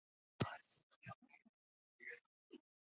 妳都这么大了